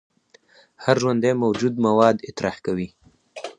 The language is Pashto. هر ژوندی موجود مواد اطراح کوي